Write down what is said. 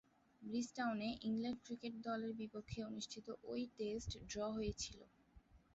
ব্রিজটাউনে England cricket দলের বিপক্ষে অনুষ্ঠিত ঐ টেস্ট ড্র হয়েছিল।